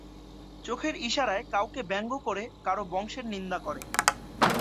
চোখের ইশারায় কাউকে ব্যঙ্গ করে কারো বংশের নিন্দা করে।